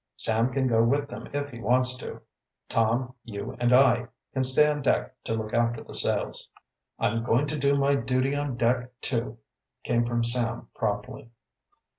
"Sam can go with them if he wants to. Tom, you and I can stay on deck to look after the sails." "I'm going to do my duty on deck, too," came from Sam promptly.